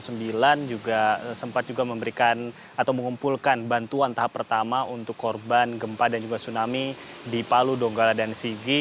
sempat juga memberikan atau mengumpulkan bantuan tahap pertama untuk korban gempa dan juga tsunami di palu donggala dan sigi